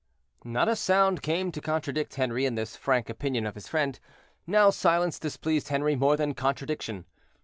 Not a sound came to contradict Henri in this frank opinion of his friend. Now silence displeased Henri more than contradiction.